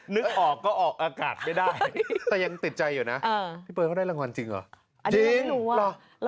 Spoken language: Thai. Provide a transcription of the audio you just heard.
นึกออกก็ออกอากาศไม่ได้แต่ยังติดใจอยู่นะพี่เบิร์เขาได้รางวัลจริงเหรอจริงเหรอ